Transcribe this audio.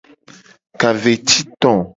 Ka ve ci to.